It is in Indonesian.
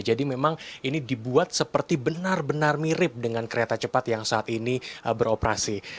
jadi memang ini dibuat seperti benar benar mirip dengan kereta cepat yang saat ini beroperasi